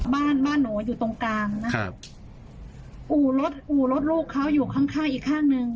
บ้านบ้านหนูอยู่ตรงกลางนะครับอู่รถอู่รถลูกเขาอยู่ข้างข้างอีกข้างหนึ่ง